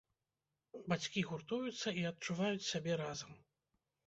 Бацькі гуртуюцца і адчуваюць сябе разам.